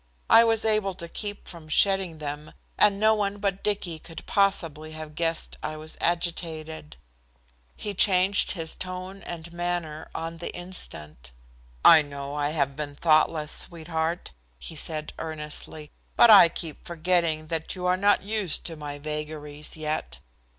I was able to keep from shedding them, and no one but Dicky could possibly have guessed I was agitated. He changed his tone and manner on the instant. "I know I have been thoughtless, sweetheart," he said earnestly, "but I keep forgetting that you are not used to my vagaries yet.